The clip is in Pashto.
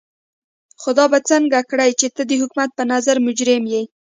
خو دا به څنګه کړې چې ته د حکومت په نظر مجرم يې.